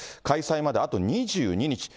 開催まであと２２日。